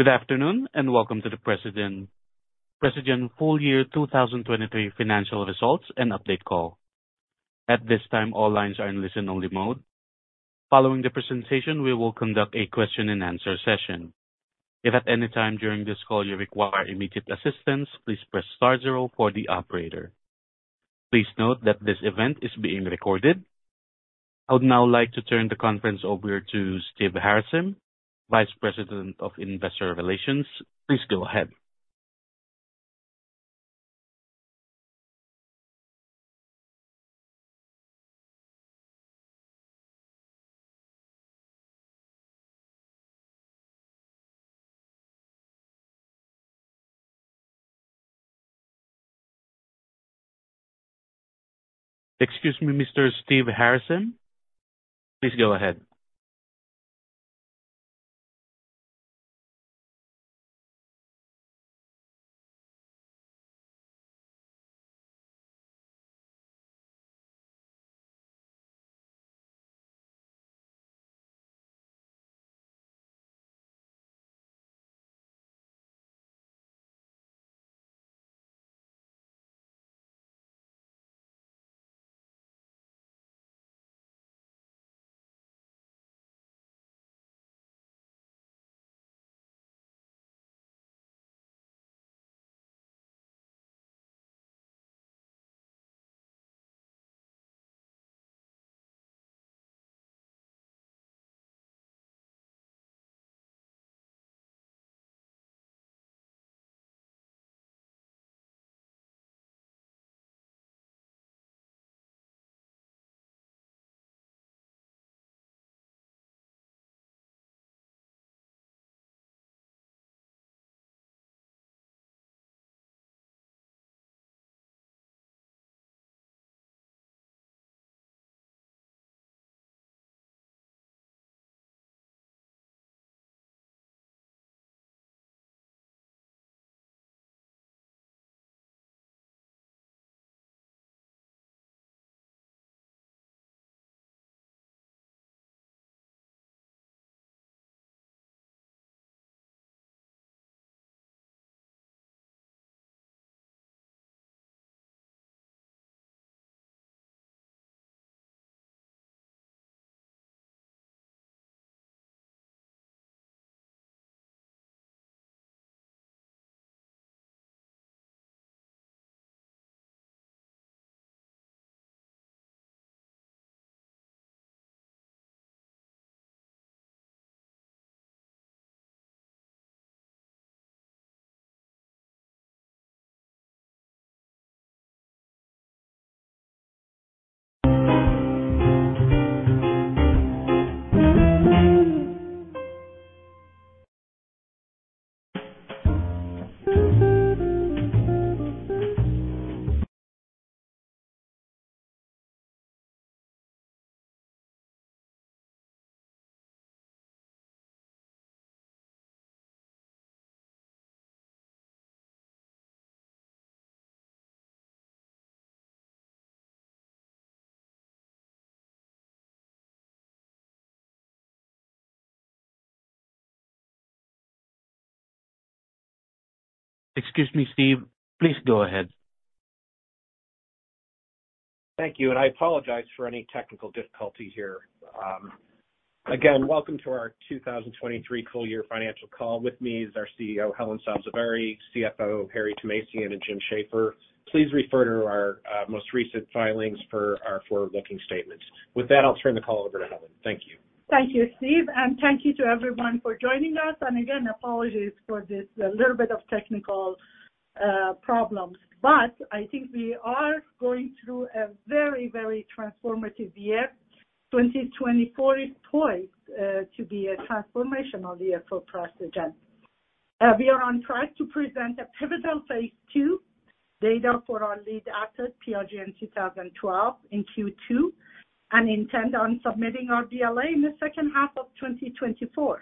Good afternoon, and welcome to the Precigen Full Year 2023 financial results and update call. At this time, all lines are in listen-only mode. Following the presentation, we will conduct a question and answer session. If at any time during this call you require immediate assistance, please press star zero for the operator. Please note that this event is being recorded. I would now like to turn the conference over to Steve Harasym, Vice President of Investor Relations. Please go ahead. Excuse me, Mr. Steve Harasym, please go ahead. Thank you, and I apologize for any technical difficulty here. Again, welcome to our 2023 full-year financial call. With me is our CEO, Helen Sabzevari, CFO, Harry Thomasian, and Jim Shaffer. Please refer to our most recent filings for our forward-looking statements. With that, I'll turn the call over to Helen. Thank you. Thank you, Steve, and thank you to everyone for joining us, and again, apologies for this little bit of technical problems. But I think we are going through a very, very transformative year. 2024 is poised to be a transformational year for Precigen. We are on track to present a pivotal Phase II data for our lead asset, PRGN-2012, in Q2, and intend on submitting our BLA in the second half of 2024.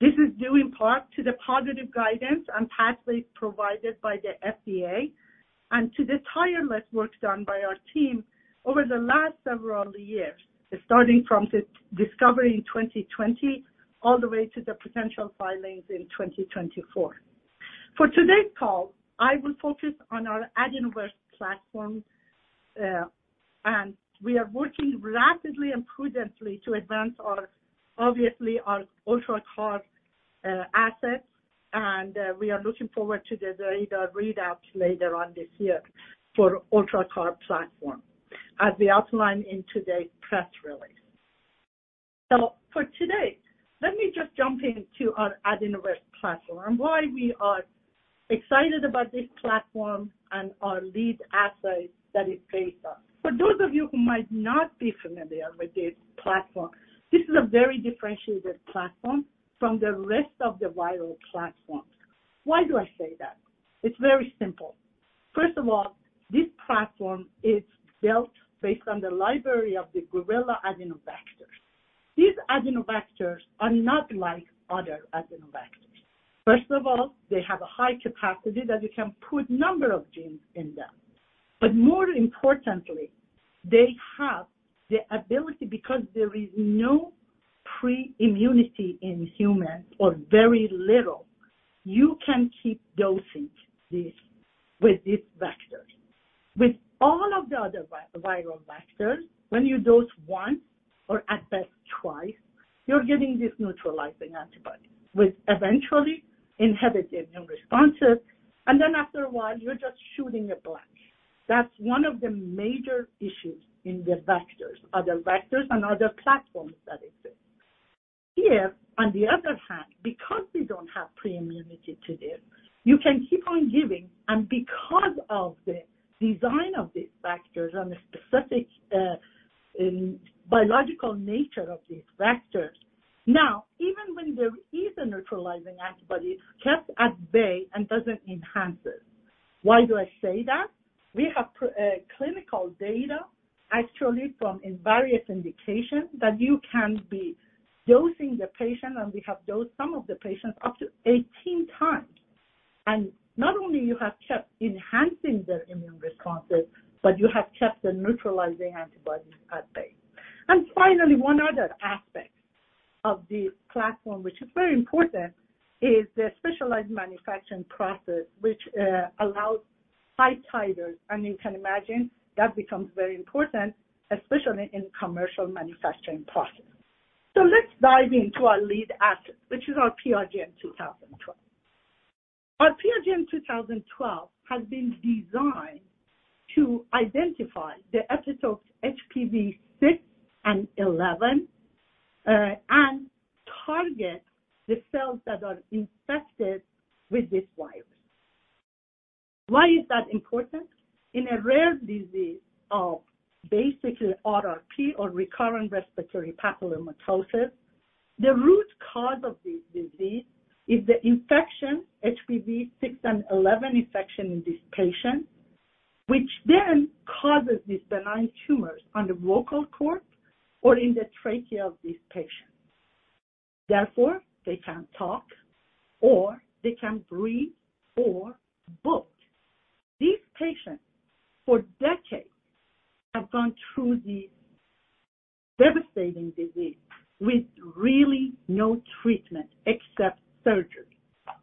This is due in part to the positive guidance and pathway provided by the FDA and to the tireless work done by our team over the last several years, starting from the discovery in 2020 all the way to the potential filings in 2024. For today's call, I will focus on our AdenoVerse platform, and we are working rapidly and prudently to advance our, obviously, our UltraCAR asset, and we are looking forward to the data readouts later on this year for UltraCAR platform, as we outlined in today's press release. For today, let me just jump into our AdenoVerse platform and why we are excited about this platform and our lead assets that it's based on. For those of you who might not be familiar with this platform, this is a very differentiated platform from the rest of the viral platforms. Why do I say that? It's very simple. First of all, this platform is built based on the library of the gorilla adenoviruses. These adenoviruses are not like other adenoviruses. First of all, they have a high capacity that you can put number of genes in them. But more importantly, they have the ability, because there is no pre-immunity in humans or very little, you can keep dosing this, with this vector. With all of the other viral vectors, when you dose once or at best twice, you're getting this neutralizing antibody, which eventually inhibit the immune responses, and then after a while, you're just shooting a blank. That's one of the major issues in the vectors, other vectors and other platforms that exist. Here, on the other hand, because we don't have pre-immunity to this, you can keep on giving, and because of the design of these vectors and the specific, in biological nature of these vectors, now, even when there is a neutralizing antibody, kept at bay and doesn't enhance it. Why do I say that? We have clinical data actually from in various indications, that you can be dosing the patient, and we have dosed some of the patients up to 18x. And not only you have kept enhancing their immune responses, but you have kept the neutralizing antibodies at bay. And finally, one other aspect of the platform, which is very important, is the specialized manufacturing process, which allows high titers. And you can imagine that becomes very important, especially in commercial manufacturing process. So let's dive into our lead asset, which is our PRGN-2012. Our PRGN-2012 has been designed to identify the epitopes HPV 6 and 11, and target the cells that are infected with this virus. Why is that important? In a rare disease of basically RRP or Recurrent Respiratory Papillomatosis, the root cause of this disease is the infection, HPV 6 and 11 infection in this patient, which then causes these benign tumors on the vocal cord or in the trachea of these patients. Therefore, they can't talk, or they can't breathe or choke. These patients, for decades, have gone through this devastating disease with really no treatment except surgery.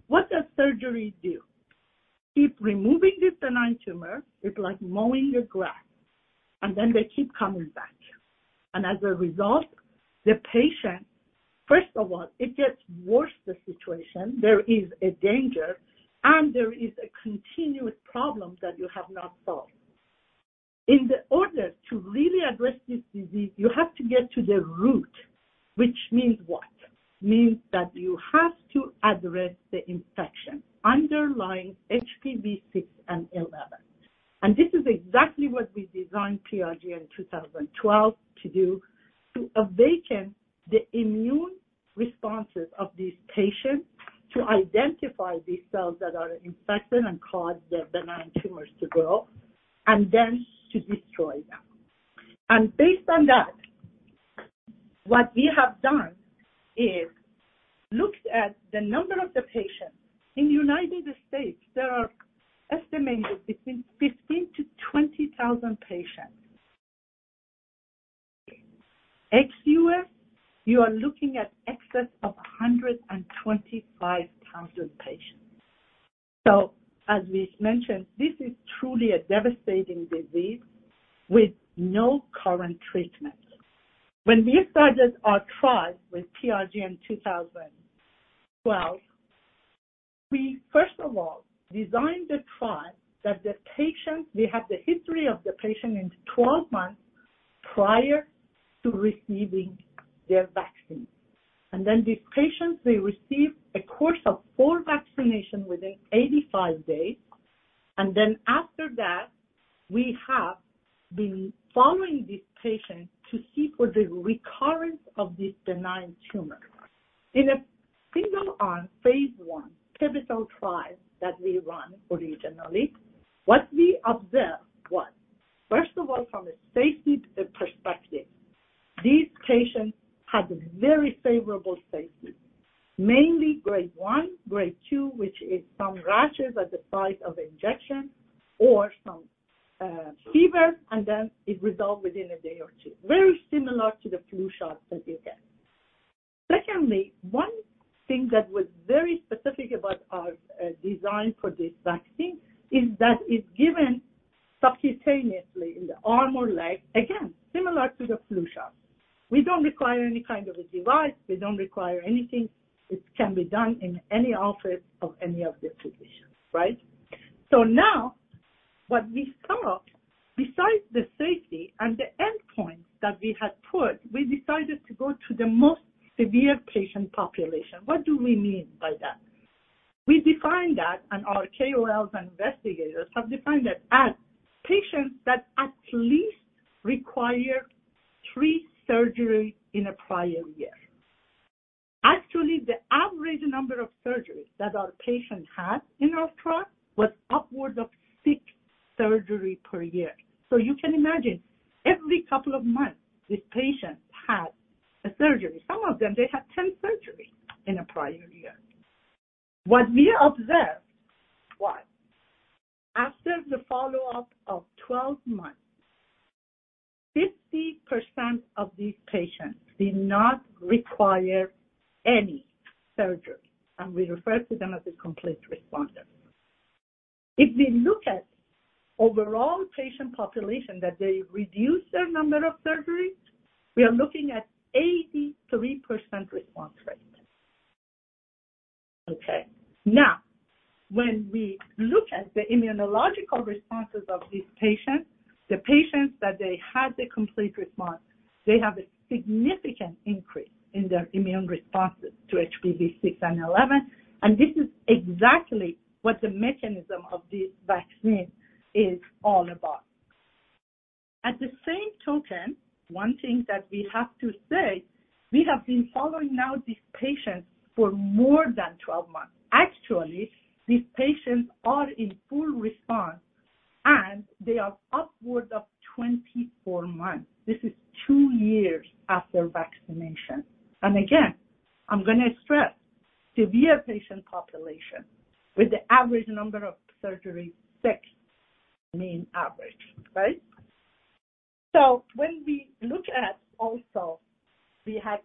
What does surgery do? Keep removing this benign tumor, it's like mowing the grass, and then they keep coming back. And as a result, the patient, first of all, it gets worse the situation, there is a danger, and there is a continuous problem that you have not solved. In order to really address this disease, you have to get to the root, which means what? Means that you have to address the infection underlying HPV 6 and 11. This is exactly what we designed PRGN-2012 to do, to awaken the immune responses of these patients, to identify these cells that are infected and cause the benign tumors to grow, and then to destroy them. Based on that, what we have done is looked at the number of the patients. In United States, there are estimated between 15,000-20,000 patients. Ex-U.S., you are looking at excess of 125,000 patients. As we mentioned, this is truly a devastating disease with no current treatment. When we started our trial with PRGN-2012, we, first of all, designed the trial that the patient, we have the history of the patient in 12 months prior to receiving their vaccine. Then these patients, they receive a course of four vaccinations within 85 days, and then after that, we have been following these patients to see for the recurrence of these benign tumors. In a single-arm, Phase I pivotal trial that we run originally, what we observed was, first of all, from a safety perspective, these patients had a very favorable safety, mainly Grade 1, Grade 2, which is some rashes at the site of injection or some fever, and then it resolved within a day or two. Very similar to the flu shot that you get. Secondly, one thing that was very specific about our design for this vaccine is that it's given subcutaneously in the arm or leg, again, similar to the flu shot. We don't require any kind of a device. We don't require anything. It can be done in any office of any of the physicians, right? So now, what we come up, besides the safety and the endpoint that we had put, we decided to go to the most severe patient population. What do we mean by that? We define that, and our KOLs and investigators have defined that, as patients that at least require three surgeries in a prior year. Actually, the average number of surgeries that our patients had in our trial was upwards of six surgeries per year. So you can imagine, every couple of months, these patients had a surgery. Some of them, they had 10 surgeries in a prior year. What we observed was, after the follow-up of 12 months, 50% of these patients did not require any surgery, and we refer to them as a complete responder. If we look at overall patient population, that they reduced their number of surgeries, we are looking at 83% response rate. Okay. Now, when we look at the immunological responses of these patients, the patients that they had a complete response, they have a significant increase in their immune responses to HPV 6 and 11, and this is exactly what the mechanism of this vaccine is all about. At the same token, one thing that we have to say, we have been following now these patients for more than 12 months. Actually, these patients are in full response, and they are upwards of 24 months. This is two years after vaccination. And again, I'm gonna stress, severe patient population with the average number of surgery, six, mean average, right? So when we look at also, we had,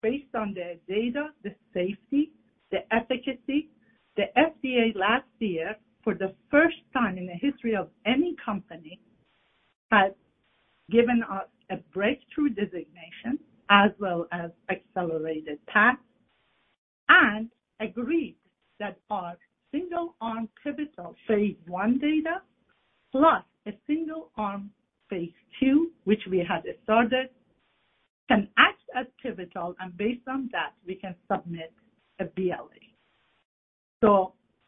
based on the data, the safety, the efficacy, the FDA last year, for the first time in the history of any company, has given us a breakthrough designation as well as accelerated path, and agreed that our single-arm pivotal Phase I data, plus a single-arm Phase II, which we had started, can act as pivotal, and based on that, we can submit a BLA.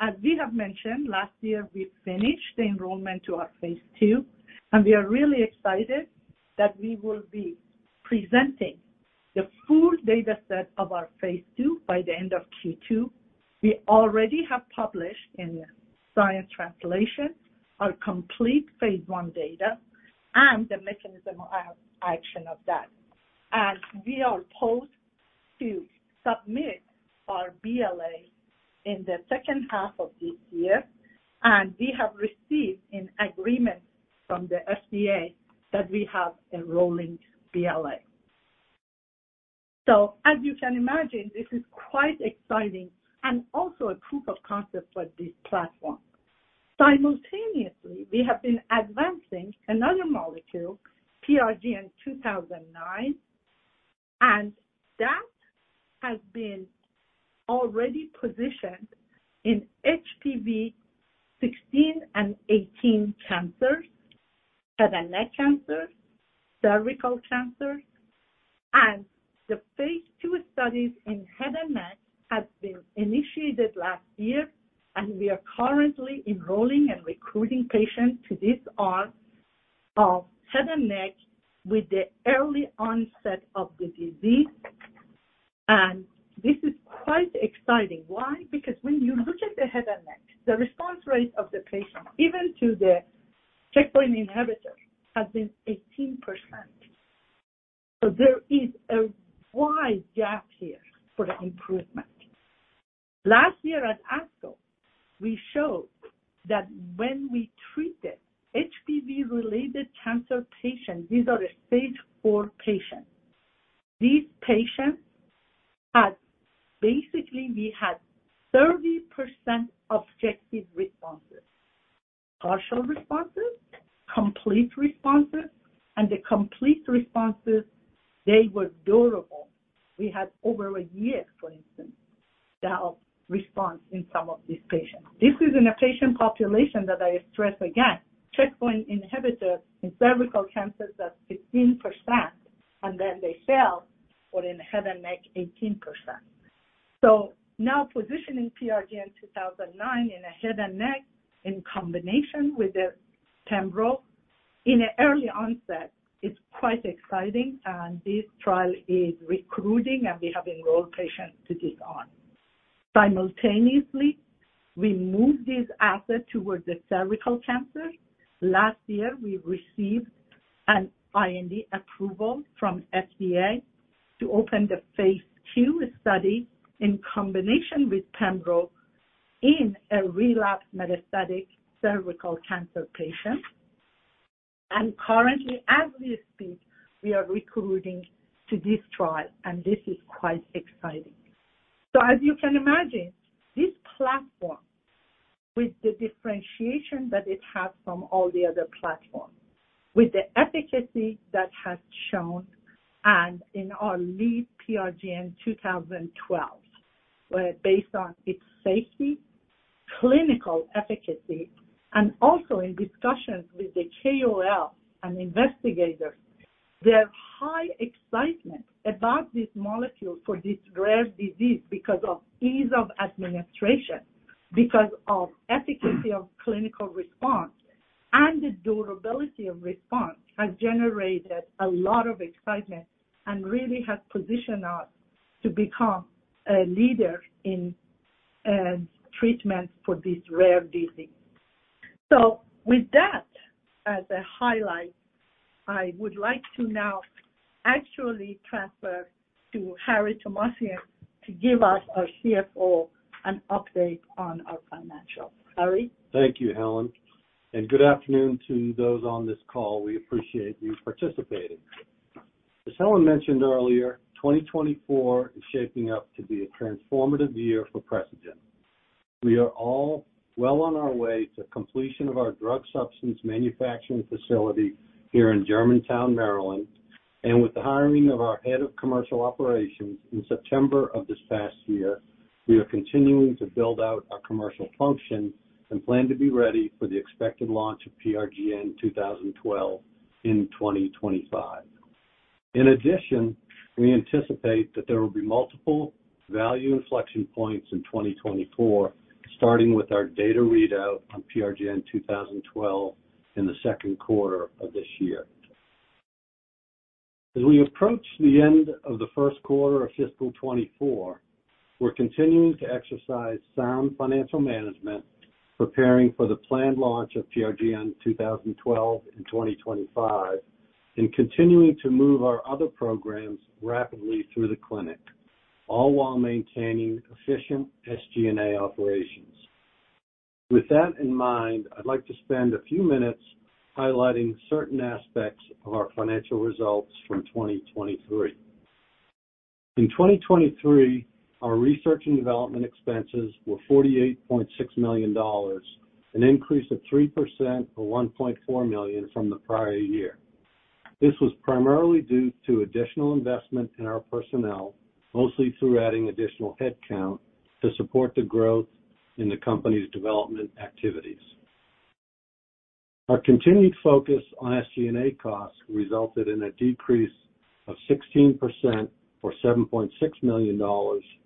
As we have mentioned, last year, we finished the enrollment to our Phase II, and we are really excited that we will be presenting the full data set of our Phase II by the end of Q2. We already have published in Science Translational Medicine, our complete Phase I data and the mechanism of action of that. We are poised to submit our BLA in the second half of this year, and we have received alignment from the FDA on the BLA. So as you can imagine, this is quite exciting and also a proof of concept for this platform. Simultaneously, we have been advancing another molecule, PRGN-2009, and that has been already positioned in HPV 16 and 18 cancers, head and neck cancer, cervical cancer. And the Phase II studies in head and neck has been initiated last year, and we are currently enrolling and recruiting patients to this arm of head and neck with the early onset of the disease. And this is quite exciting. Why? Because when you look at the head and neck, the response rate of the patient, even to the checkpoint inhibitor, has been 18%. So there is a wide gap here for improvement. Last year at ASCO, we showed that when we treated HPV-related cancer patients, these are the Stage IV patients. These patients had, basically, we had 30% objective responses, partial responses, complete responses, and the complete responses, they were durable. We had over a year, for instance, now, response in some of these patients. This is in a patient population that I stress again, checkpoint inhibitor in cervical cancers at 15%, and then they fail, or in head and neck, 18%. So now positioning PRGN-2009 in a head and neck in combination with the pembro in an early onset, it's quite exciting, and this trial is recruiting, and we have enrolled patients to this arm. Simultaneously, we moved this asset towards the cervical cancer. Last year, we received an IND approval from FDA to open the phase two study in combination with pembro in a relapsed metastatic cervical cancer patient. Currently, as we speak, we are recruiting to this trial, and this is quite exciting. So as you can imagine, this platform, with the differentiation that it has from all the other platforms, with the efficacy that has shown, and in our lead, PRGN-2012, where based on its safety, clinical efficacy, and also in discussions with the KOL and investigators, there are high excitement about this molecule for this rare disease because of ease of administration, because of efficacy of clinical response, and the durability of response has generated a lot of excitement and really has positioned us to become a leader in treatment for this rare disease. So with that as a highlight, I would like to now actually transfer to Harry Thomasian, to give us, our CFO, an update on our financials. Harry? Thank you, Helen, and good afternoon to those on this call. We appreciate you participating. As Helen mentioned earlier, 2024 is shaping up to be a transformative year for Precigen. We are all well on our way to completion of our drug substance manufacturing facility here in Germantown, Maryland. And with the hiring of our head of commercial operations in September of this past year, we are continuing to build out our commercial function and plan to be ready for the expected launch of PRGN-2012 in 2025. In addition, we anticipate that there will be multiple value inflection points in 2024, starting with our data readout on PRGN-2012 in the second quarter of this year. As we approach the end of the first quarter of fiscal 2024, we're continuing to exercise sound financial management, preparing for the planned launch of PRGN-2012 in 2025, and continuing to move our other programs rapidly through the clinic, all while maintaining efficient SG&A operations. With that in mind, I'd like to spend a few minutes highlighting certain aspects of our financial results from 2023. In 2023, our research and development expenses were $48.6 million, an increase of 3%, or $1.4 million from the prior year. This was primarily due to additional investment in our personnel, mostly through adding additional headcount, to support the growth in the company's development activities. Our continued focus on SG&A costs resulted in a decrease of 16%, or $7.6 million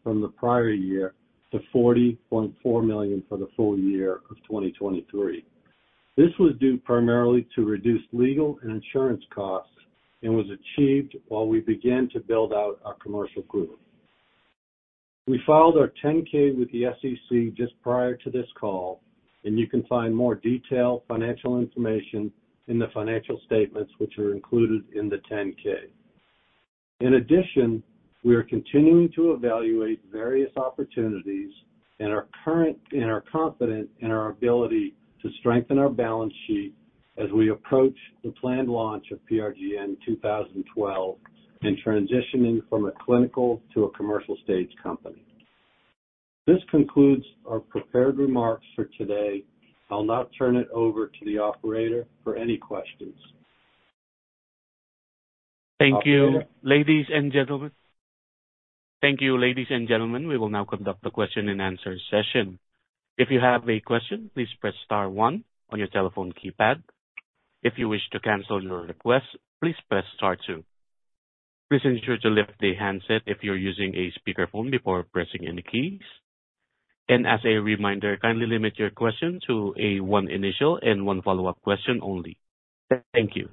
from the prior year to $40.4 million for the full year of 2023. This was due primarily to reduced legal and insurance costs and was achieved while we began to build out our commercial group. We filed our 10-K with the SEC just prior to this call, and you can find more detailed financial information in the financial statements, which are included in the 10-K. In addition, we are continuing to evaluate various opportunities and are currently confident in our ability to strengthen our balance sheet as we approach the planned launch of PRGN-2012 and transitioning from a clinical to a commercial stage company. This concludes our prepared remarks for today. I'll now turn it over to the operator for any questions. Thank you, ladies and gentlemen. Thank you, ladies and gentlemen. We will now conduct the question-and-answer session. If you have a question, please press star one on your telephone keypad. If you wish to cancel your request, please press star two. Please ensure to lift the handset if you're using a speakerphone before pressing any keys. As a reminder, kindly limit your question to a one initial and one follow-up question only. Thank you.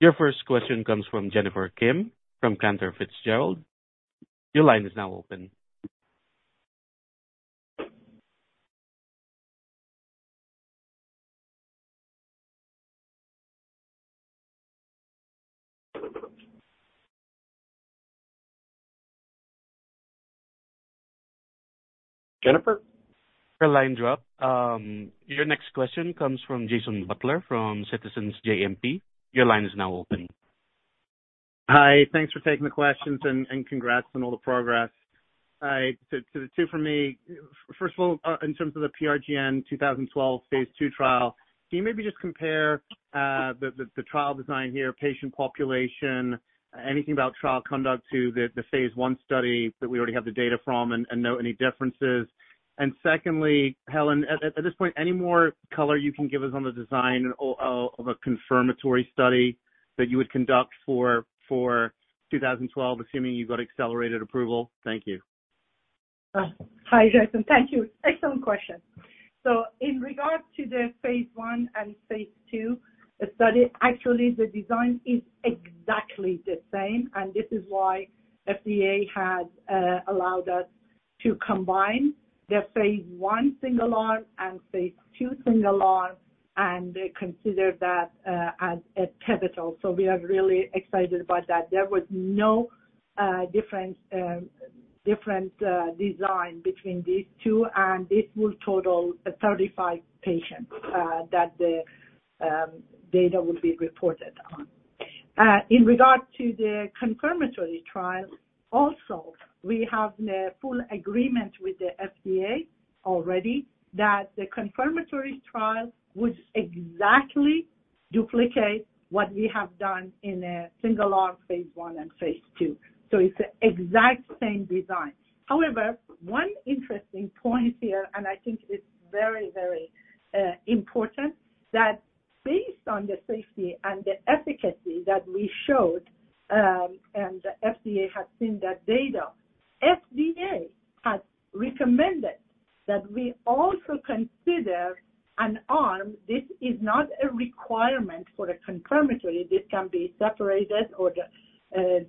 Your first question comes from Jennifer Kim, from Cantor Fitzgerald. Your line is now open. Jennifer? Her line dropped. Your next question comes from Jason Butler from Citizens JMP. Your line is now open. Hi, thanks for taking the questions and congrats on all the progress. So the two for me. First of all, in terms of the PRGN-2012 Phase II trial, can you maybe just compare the trial design here, patient population, anything about trial conduct to the Phase I study that we already have the data from and note any differences? And secondly, Helen, at this point, any more color you can give us on the design of a confirmatory study that you would conduct for 2012, assuming you got accelerated approval? Thank you. Hi, Jason. Thank you. Excellent question. So in regards to the Phase I and Phase II study, actually, the design is exactly the same, and this is why FDA has allowed us to combine the Phase I single arm and Phase II single arm, and they consider that as a pivotal. So we are really excited about that. There was no different design between these two, and this will total 35 patients that the data will be reported on. In regard to the confirmatory trial, also, we have the full agreement with the FDA already that the confirmatory trial would exactly duplicate what we have done in a single-arm Phase I and Phase II. So it's the exact same design. However, one interesting point here, and I think it's very, very important, that based on the safety and the efficacy that we showed, and the FDA has seen that data, FDA has recommended that we also consider an arm. This is not a requirement for the confirmatory. This can be separated or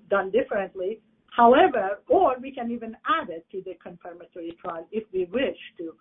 done differently. However, or we can even add it to the confirmatory trial if we wish to,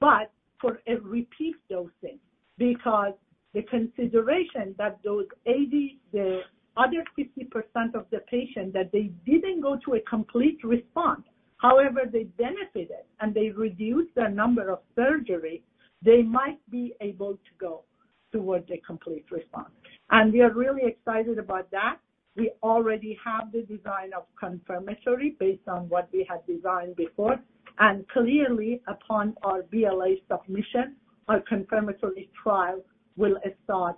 but for a repeat dosing, because the consideration that those 80, the other 50% of the patient. That they didn't go to a complete response, however, they benefited, and they reduced the number of surgery, they might be able to go towards a complete response. And we are really excited about that. We already have the design of confirmatory based on what we had designed before, and clearly, upon our BLA submission, our confirmatory trial will start,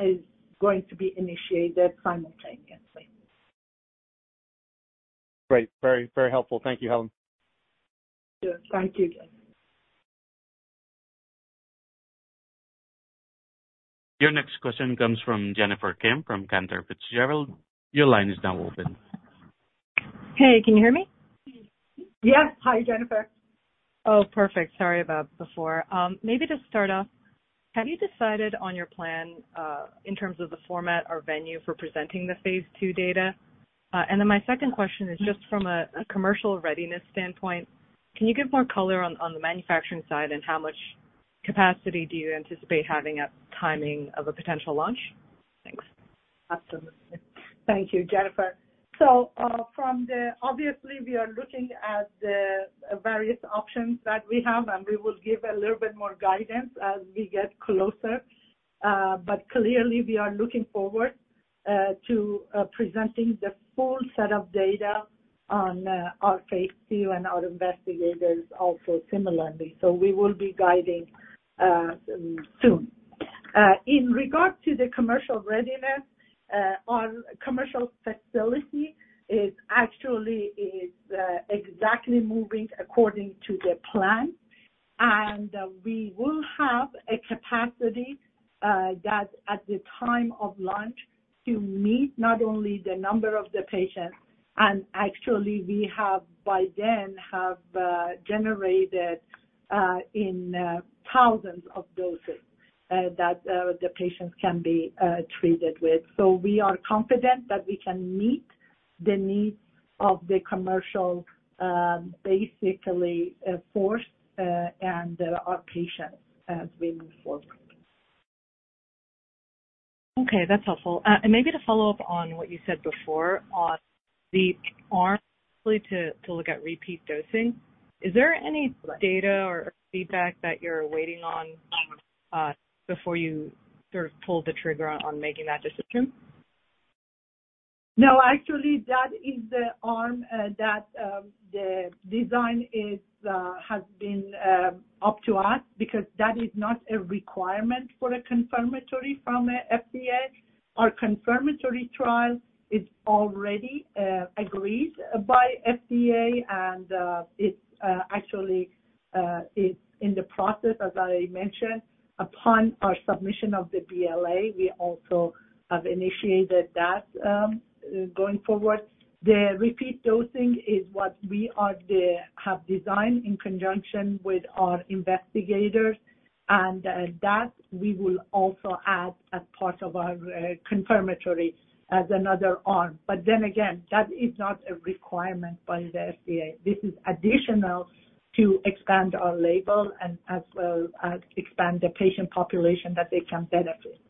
is going to be initiated simultaneously. Great. Very, very helpful. Thank you, Helen. Sure. Thank you, James. Your next question comes from Jennifer Kim from Cantor Fitzgerald. Your line is now open. Hey, can you hear me? Yes. Hi, Jennifer. Oh, perfect. Sorry about before. Maybe just start off, have you decided on your plan, in terms of the format or venue for presenting the Phase II data? And then my second question is just from a commercial readiness standpoint, can you give more color on the manufacturing side and how much capacity do you anticipate having at timing of a potential launch? Thanks. Absolutely. Thank you, Jennifer. So, obviously, we are looking at the various options that we have, and we will give a little bit more guidance as we get closer. But clearly, we are looking forward to presenting the full set of data on our Phase II and our investigators also similarly. So we will be guiding soon. In regard to the commercial readiness on commercial facility, it actually is exactly moving according to the plan. And we will have a capacity that at the time of launch, to meet not only the number of the patients, and actually we have, by then, generated in thousands of doses that the patients can be treated with. We are confident that we can meet the needs of the commercial, basically, force and our patients as we move forward. Okay, that's helpful. And maybe to follow up on what you said before on the arm study to look at repeat dosing, is there any data or feedback that you're waiting on before you sort of pull the trigger on making that decision? No, actually, that is the arm that the design has been up to us, because that is not a requirement for a confirmatory from FDA. Our confirmatory trial is already agreed by FDA, and it's actually in the process, as I mentioned, upon our submission of the BLA. We also have initiated that going forward. The repeat dosing is what we have designed in conjunction with our investigators, and that we will also add as part of our confirmatory as another arm. But then again, that is not a requirement by the FDA. This is additional to expand our label and as well as expand the patient population that they can benefit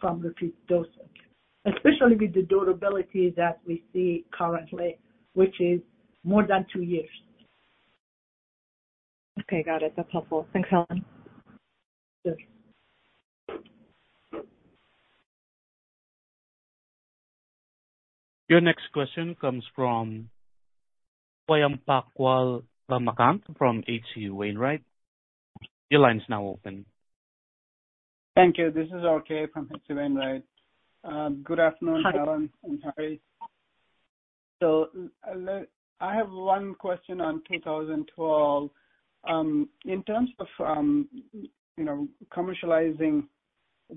from repeat dosing, especially with the durability that we see currently, which is more than two years. Okay, got it. That's helpful. Thanks, Helen. Sure. Your next question comes from Swayampakula Ramakanth from H.C. Wainwright. Your line is now open. Thank you. This is RK from H.C. Wainwright. Good afternoon, Helen and Harry. So I have one question on 2012. In terms of, you know, commercializing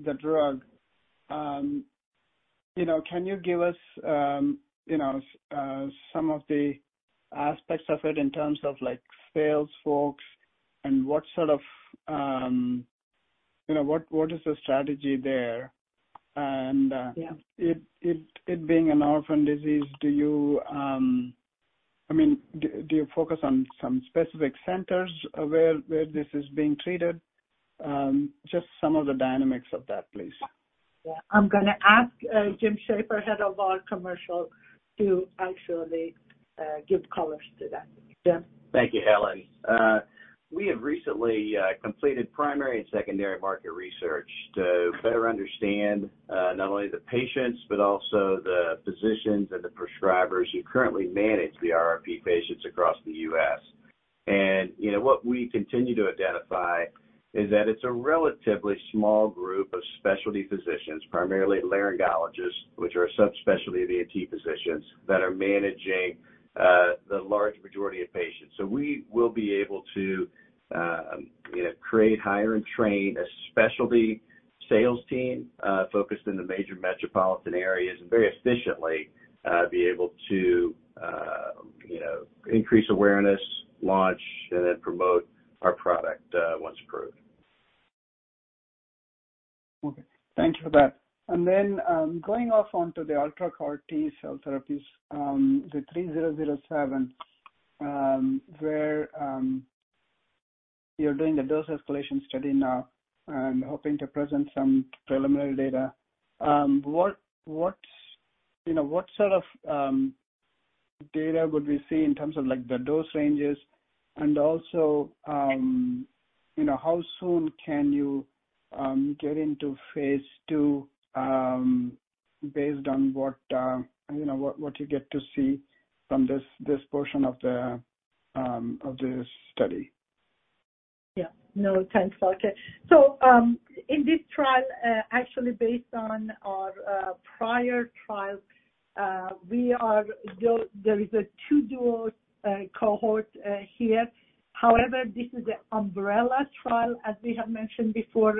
the drug, you know, can you give us, you know, some of the aspects of it in terms of like, sales folks and what sort of, you know, what, what is the strategy there? And- Yeah. It being an orphan disease, do you, I mean, do you focus on some specific centers, where this is being treated? Just some of the dynamics of that, please. Yeah. I'm gonna ask, Jim Schaeffer, head of our commercial, to actually give colors to that. Jim? Thank you, Helen. We have recently completed primary and secondary market research to better understand not only the patients, but also the physicians and the prescribers who currently manage the RRP patients across the U.S. You know, what we continue to identify is that it's a relatively small group of specialty physicians, primarily laryngologists, which are a subspecialty of the ENT physicians, that are managing the large majority of patients. We will be able to, you know, create, hire, and train a specialty sales team focused in the major metropolitan areas, and very efficiently be able to, you know, increase awareness, launch, and then promote our product once approved. Okay, thank you for that. And then, going off onto the UltraCAR-T cell therapies, the 3007, where you're doing the dose escalation study now and hoping to present some preliminary data. What, you know, what sort of data would we see in terms of like the dose ranges? And also, you know, how soon can you get into Phase II, based on what, you know, what you get to see from this, this portion of the of the study? Yeah. No, thanks, for that. So, in this trial, actually, based on our prior trial, we are, there is a two dual cohort here. However, this is an umbrella trial, as we have mentioned before.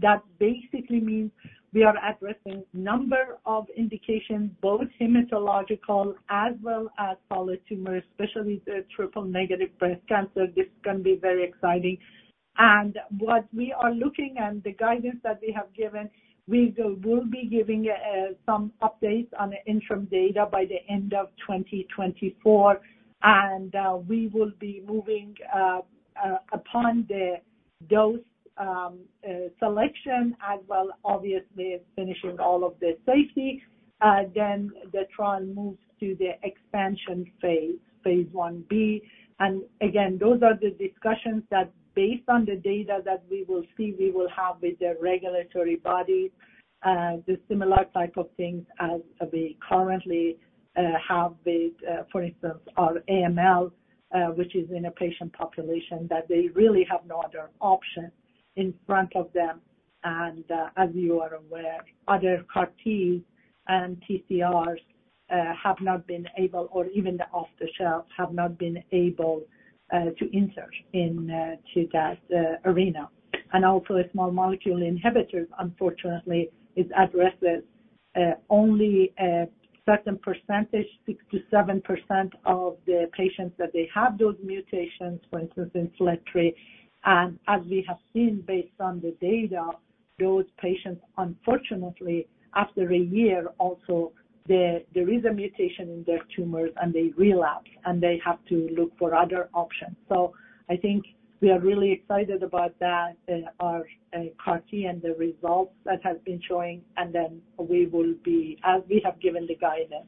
That basically means we are addressing a number of indications, both hematological as well as solid tumors, especially the triple-negative breast cancer. This can be very exciting. And what we are looking and the guidance that we have given, we will be giving some updates on the interim data by the end of 2024, and we will be moving upon the dose selection, as well as obviously finishing all of the safety. Then the trial moves to the expansion phase, Phase Ib. Again, those are the discussions that, based on the data that we will see, we will have with the regulatory body, the similar type of things as we currently have with, for instance, our AML, which is in a patient population that they really have no other option in front of them. And, as you are aware, other CAR T and TCRs have not been able, or even the off-the-shelf, have not been able to insert in to that arena. And also small molecule inhibitors, unfortunately, addresses only a certain percentage, 6%-7% of the patients that they have those mutations, for instance, in FLT3. And as we have seen, based on the data, those patients, unfortunately, after a year, there is a mutation in their tumors, and they relapse, and they have to look for other options. So I think we are really excited about that, our CAR T and the results that have been showing. And then we will be, as we have given the guidance,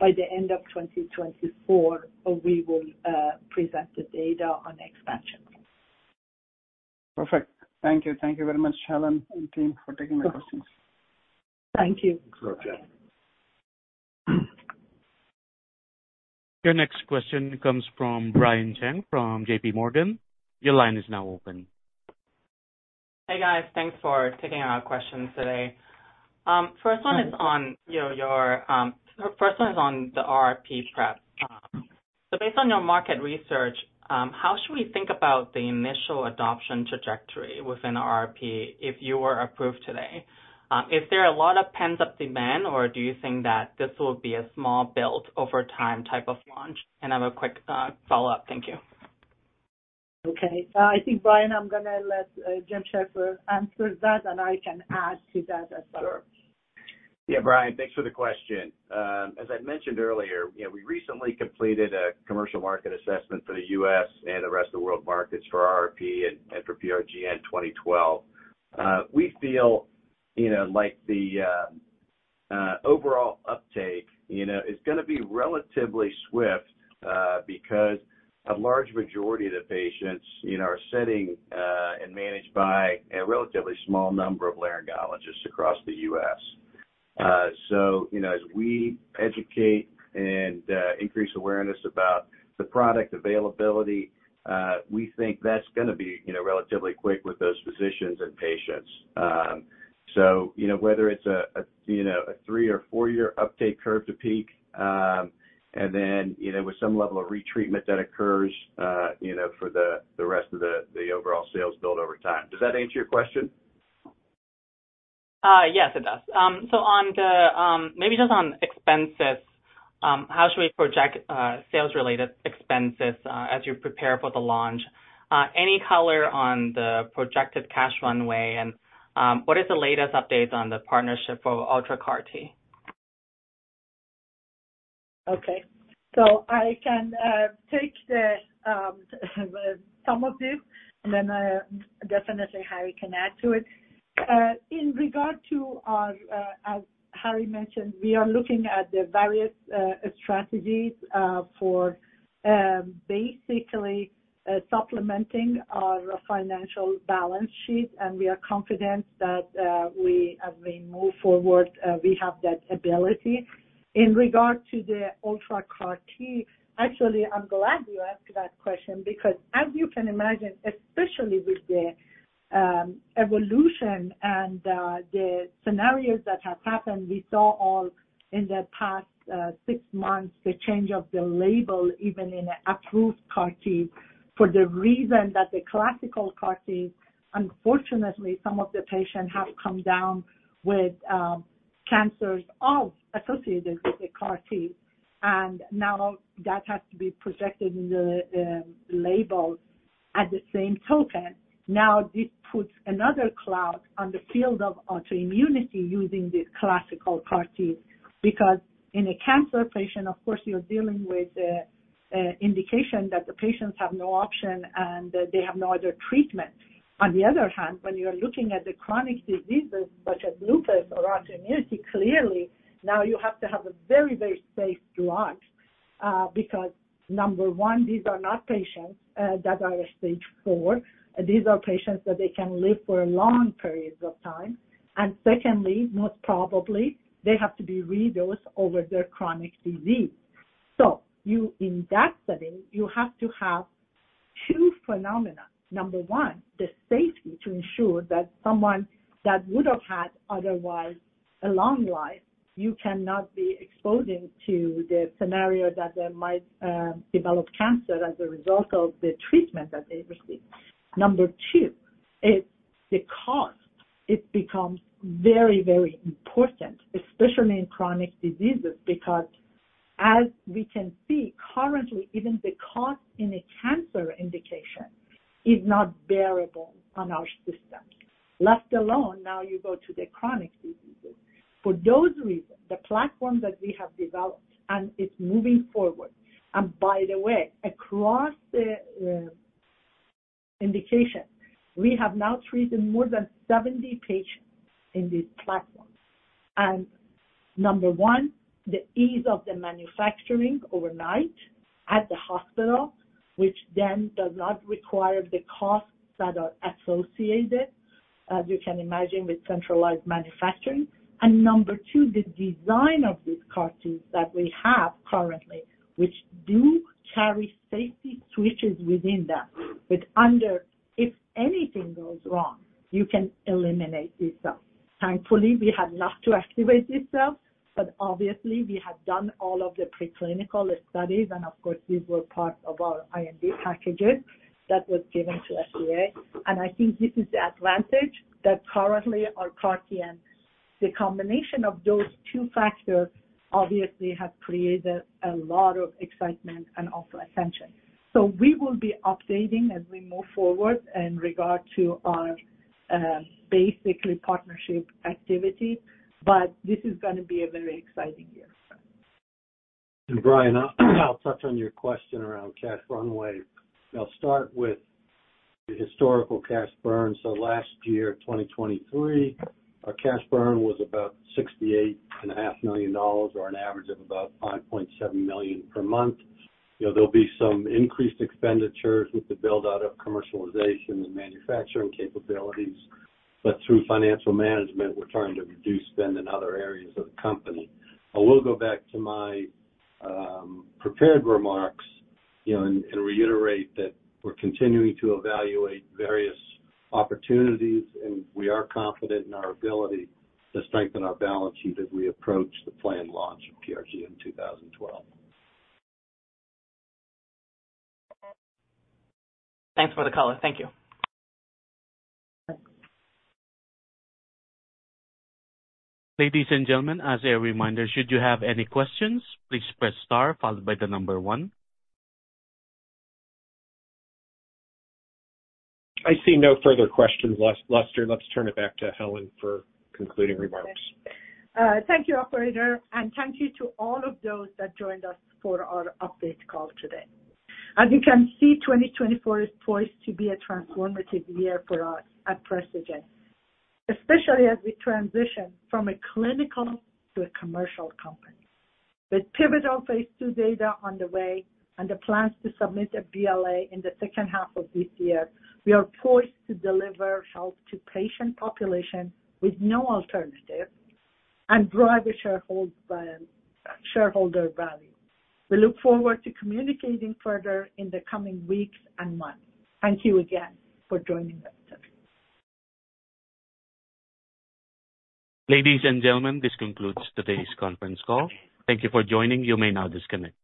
by the end of 2024, we will present the data on expansion. Perfect. Thank you. Thank you very much, Helen and team, for taking my questions. Thank you. Your next question comes from Brian Cheng from J.P. Morgan. Your line is now open. Hey, guys. Thanks for taking our questions today. First one is on, you know, your, first one is on the RRP prep. So based on your market research, how should we think about the initial adoption trajectory within RRP if you were approved today? Is there a lot of pent-up demand, or do you think that this will be a small build over time type of launch? And I have a quick, follow-up. Thank you. Okay. I think, Brian, I'm gonna let Jim Schaeffer answer that, and I can add to that as well. Sure. Yeah, Brian, thanks for the question. As I mentioned earlier, you know, we recently completed a commercial market assessment for the U.S. and the rest of the world markets for RRP and for PRGN-2012. We feel, you know, like the overall uptake, you know, is gonna be relatively swift because a large majority of the patients in our setting and managed by a relatively small number of laryngologists across the U.S. So you know, as we educate and increase awareness about the product availability, we think that's gonna be, you know, relatively quick with those physicians and patients. So you know, whether it's a, you know, a three or four year uptake curve to peak, and then, you know, with some level of retreatment that occurs, you know, for the rest of the overall sales build over time. Does that answer your question? Yes, it does. So, maybe just on expenses, how should we project sales-related expenses as you prepare for the launch? Any color on the projected cash runway, and what is the latest update on the partnership for UltraCAR-T? Okay. So I can take some of this, and then definitely Harry can add to it. In regard to our, as Harry mentioned, we are looking at the various strategies for basically supplementing our financial balance sheet, and we are confident that we, as we move forward, we have that ability. In regard to the UltraCAR-T, actually, I'm glad you asked that question, because as you can imagine, especially with the evolution and the scenarios that have happened, we saw all in the past six months, the change of the label, even in an approved CAR-T, for the reason that the classical CAR-T, unfortunately, some of the patients have come down with cancers all associated with the CAR-T, and now that has to be projected in the label. At the same token, now this puts another cloud on the field of autoimmunity using the classical CAR T, because in a cancer patient, of course, you're dealing with the indication that the patients have no option and that they have no other treatment. On the other hand, when you are looking at the chronic diseases such as lupus or autoimmunity, clearly now you have to have a very, very safe drug. Because number one, these are not patients that are Stage IV. These are patients that they can live for long periods of time. And secondly, most probably, they have to be re-dosed over their chronic disease. So you, in that study, you have to have two phenomena. Number one, the safety to ensure that someone that would have had otherwise a long life. You cannot be exposing to the scenario that they might develop cancer as a result of the treatment that they receive. Number two, it's the cost. It becomes very, very important, especially in chronic diseases, because as we can see, currently, even the cost in a cancer indication is not bearable on our system. Let alone, now you go to the chronic diseases. For those reasons, the platform that we have developed, and it's moving forward, and by the way, across the indication, we have now treated more than 70 patients in this platform. And number one, the ease of the manufacturing overnight at the hospital, which then does not require the costs that are associated, as you can imagine, with centralized manufacturing. Number two, the design of these CAR Ts that we have currently, which do carry safety switches within them, with if anything goes wrong, you can eliminate these cells. Thankfully, we have not to activate these cells, but obviously we have done all of the preclinical studies, and of course, these were part of our IND packages that was given to FDA. And I think this is the advantage that currently our CAR T and the combination of those two factors obviously have created a lot of excitement and also attention. So we will be updating as we move forward in regard to our basically partnership activity, but this is gonna be a very exciting year. Brian, I'll touch on your question around cash runway. I'll start with the historical cash burn. So last year, 2023, our cash burn was about $68.5 million, or an average of about $5.7 million per month. You know, there'll be some increased expenditures with the build-out of commercialization and manufacturing capabilities, but through financial management, we're trying to reduce spend in other areas of the company. I will go back to my prepared remarks, you know, and reiterate that we're continuing to evaluate various opportunities, and we are confident in our ability to strengthen our balance sheet as we approach the planned launch of PRGN-2012. Thanks for the color. Thank you. Ladies and gentlemen, as a reminder, should you have any questions, please press star followed by the number one. I see no further questions, Lester. Let's turn it back to Helen for concluding remarks. Thank you, operator, and thank you to all of those that joined us for our update call today. As you can see, 2024 is poised to be a transformative year for us at Precigen, especially as we transition from a clinical to a commercial company. With pivotal Phase II data on the way and the plans to submit a BLA in the second half of this year, we are poised to deliver health to patient population with no alternative and drive a shareholder value. We look forward to communicating further in the coming weeks and months. Thank you again for joining us today. Ladies and gentlemen, this concludes today's conference call. Thank you for joining. You may now disconnect.